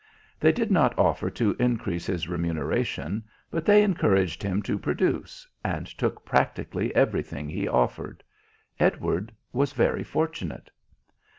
They did not offer to increase his remuneration, but they encouraged him to produce, and took practically everything he offered. Edward was very fortunate.